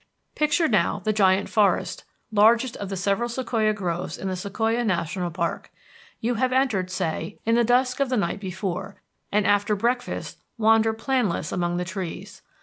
Picture, now, the Giant Forest, largest of the several sequoia groves in the Sequoia National Park. You have entered, say, in the dusk of the night before, and after breakfast wander planless among the trees.